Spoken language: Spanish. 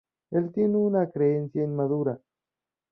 Él tiene una creencia inmadura.